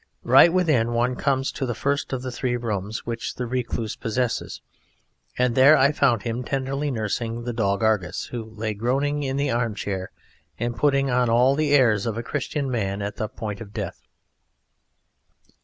Right within, one comes to the first of the three rooms which the Recluse possesses, and there I found him tenderly nursing the dog Argus, who lay groaning in the arm chair and putting on all the airs of a Christian man at the point of death.